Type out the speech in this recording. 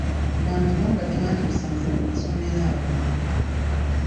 Bandiba nga tebandikusanze mu masomero ago.